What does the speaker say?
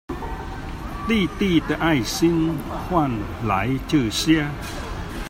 弟弟的愛心換來這些